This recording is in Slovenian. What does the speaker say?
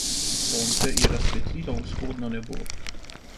Sonce je razsvetlilo vzhodno nebo.